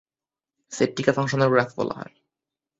সেটটিকে ফাংশনের গ্রাফ বলা হয়।